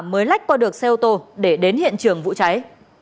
mới lách qua được xe ô tô để đến hiện trường vụ cháy